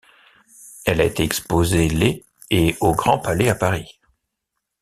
Elle a été exposé les et au Grand Palais à Paris.